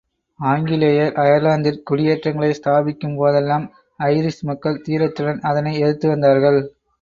ஆங்கிலேயர் அயர்லாந்திற் குடியேற்றங்களை ஸ்தாபிக்கும் போதெல்லாம் ஐரிஷ் மக்கள் தீரத்துடன் அதனை எதிர்த்துவந்தார்கள்.